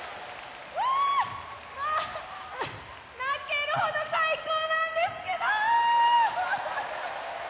泣けるほど最高なんですけど！